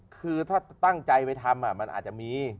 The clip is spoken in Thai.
คือถ้าตั้งใจไปทำมันอาจจะมี